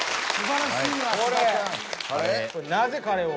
なぜカレーを？